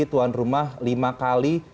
tuan rumah lima kali